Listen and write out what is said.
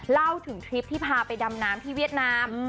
เล่าถึงทริปที่พาไปดำน้ำที่เวียดนาม